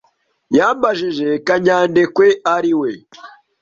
Yambajije kanyandekwe ari we.